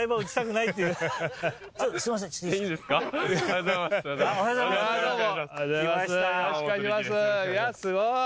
いやすごい！